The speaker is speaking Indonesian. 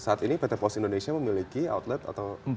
saat ini pt pos indonesia memiliki outlet atau